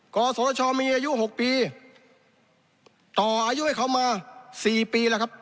กศชมีอายุ๖ปีต่ออายุให้เขามา๔ปีแล้วครับ